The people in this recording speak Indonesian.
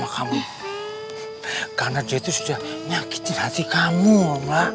karena dia itu sudah nyakitin hati kamu om lah